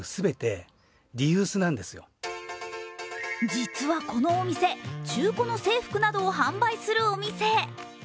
実はこのお店、中古の制服などを販売するお店。